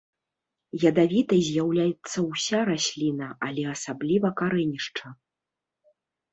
Ядавітай з'яўляецца ўся расліна, але асабліва карэнішча.